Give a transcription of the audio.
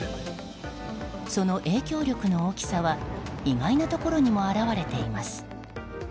その影響力の大きさは意外なところにも表れています。